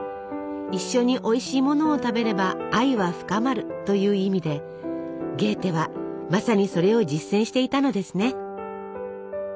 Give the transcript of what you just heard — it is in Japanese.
「一緒においしいものを食べれば愛は深まる」という意味でゲーテはまさにそれを実践していたのですね。